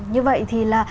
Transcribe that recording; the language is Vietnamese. như vậy thì là